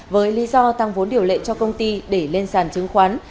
với lý do tăng vốn điều lệ cho công ty để lên sàn chứng khoán